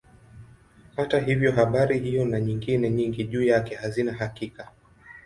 Hata hivyo habari hiyo na nyingine nyingi juu yake hazina hakika.